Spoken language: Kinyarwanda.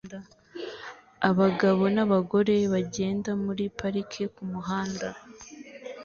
Abagabo n'abagore bagenda muri parike kumuhanda